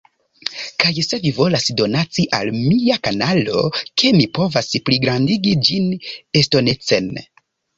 Kaj se vi volas donaci al mia kanalo ke mi povas pligrandigi ĝin estonecen